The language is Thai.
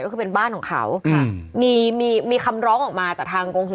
ก็คือเป็นบ้านของเขาค่ะมีมีคำร้องออกมาจากทางกองทุน